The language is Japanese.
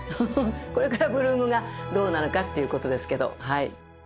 これから８ＬＯＯＭがどうなるかっていうことですけどはい